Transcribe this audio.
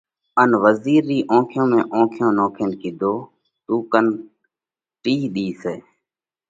ان وزِير رِي اونکيون ۾ اونکيون نوکينَ ڪِيڌو: تُون ڪنَ ٽِيه ۮِي سئہ۔